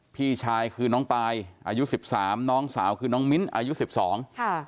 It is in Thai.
พี่ชายคือน้องปายอายุสิบสามน้องสาวคือน้องมิ้นอายุสิบสองค่ะ